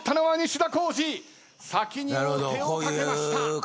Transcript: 先に王手をかけました。